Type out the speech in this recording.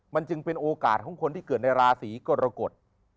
มันจึงเป็นโอกาสของคนที่เกิดในราศีกรกฎ